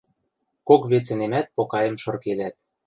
Кок вецӹнемӓт покаэм шыркедӓт: